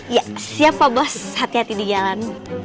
iya siap pak bos hati hati di jalan